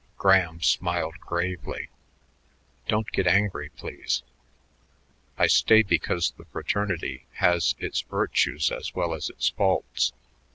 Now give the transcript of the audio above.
Graham smiled gravely. "Don't get angry, please. I stay because the fraternity has its virtues as well as its faults.